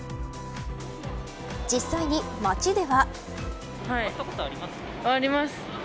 実際に街では。